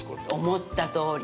思ったとおり。